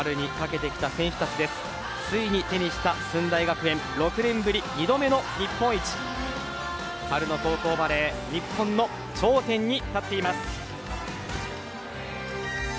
ついに手にした駿台学園６年ぶり２度目の日本一春の高校バレー日本の頂点に立っています。